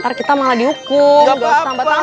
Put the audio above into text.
ntar kita malah dihukum